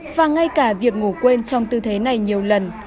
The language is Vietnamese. và ngay cả việc ngủ quên trong tư thế này nhiều lần